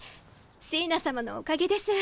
シーナ様のおかげです。